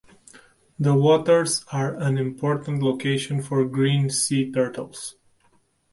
The waters are an important location for Green sea turtles.